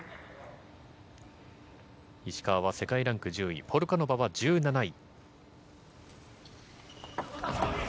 石川は世界ランク１０位、ポルカノバは１７位。